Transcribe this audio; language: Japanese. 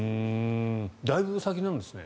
だいぶ先なんですね。